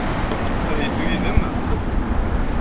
Ad yeddu yid-m?